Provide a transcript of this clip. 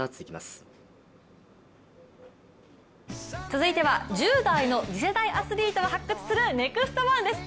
続いては、１０代の次世代アスリートを発掘する「ＮＥＸＴ☆１」です。